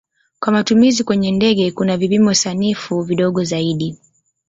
Kwa matumizi kwenye ndege kuna vipimo sanifu vidogo zaidi.